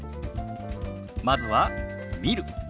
まずは「見る」。